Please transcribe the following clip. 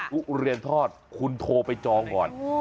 ทุเรียนทอดคุณโทรไปจองก่อน